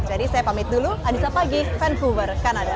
jadi saya pamit dulu anissa pagih vancouver kanada